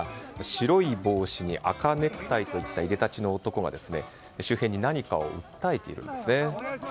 白い帽子に赤ネクタイといったいでたちの男が周辺に何かを訴えているんですね。